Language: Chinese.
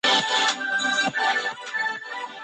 翁西厄人口变化图示